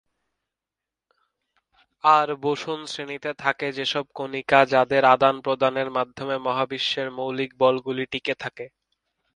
আর boson শ্রেণীতে থাকে সেসব কণিকা, যাদের আদান প্রদানের মাধ্যমে মহাবিশ্বের মৌলিক বলগুলো টিকে থাকে।